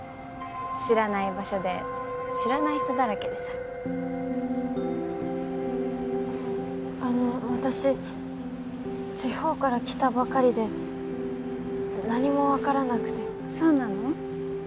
知らない場所で知らない人だらけでさあの私地方から来たばかりで何も分からなくてそうなの？